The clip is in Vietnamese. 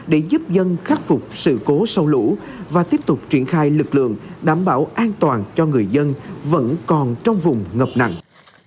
để giúp dân khắc phục sự cố sau lũ và tiếp tục triển khai lực lượng đảm bảo an toàn cho người dân vẫn còn trong vùng ngập nặng